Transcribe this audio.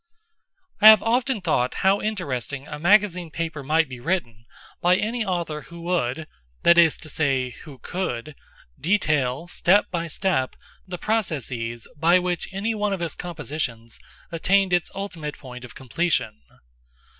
I have often thought how interesting a magazine paper might be written by any author who would—that is to say, who could—detail, step by step, the processes by which any one of his compositions attained its ultimate point of completion.